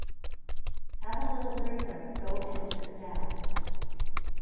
Have a little breather, go and sit down.